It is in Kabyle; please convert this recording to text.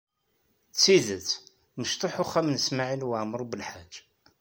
D tidet, mecṭuḥ uxxam n Smawil Waɛmaṛ U Belḥaǧ.